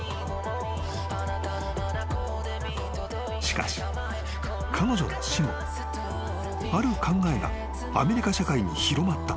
［しかし彼女の死後ある考えがアメリカ社会に広まった］